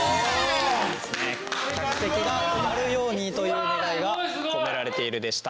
客席が埋まるようにという願いが込められているでした。